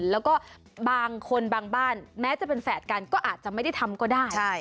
แล้วก็บางคนบางบ้านแม้จะเป็นแฝดกันก็อาจจะไม่ได้ทำก็ได้